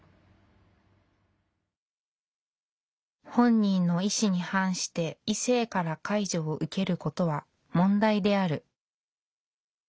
「本人の意志に反して異性から介助を受けることは問題である」。